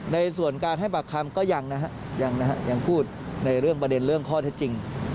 ในส่วนการให้แบบครั้งก็ยังพูดในเรื่องประเด็นข้อเทียดจริง